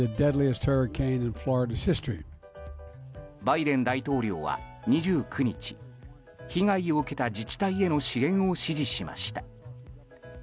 バイデン大統領は２９日被害を受けた自治体への支援を指示しました。